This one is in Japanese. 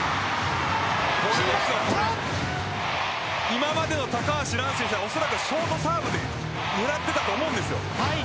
今までの高橋藍選手はショートサーブで狙っていたと思うんですよ。